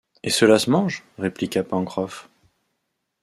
Et cela se mange ? répliqua Pencroff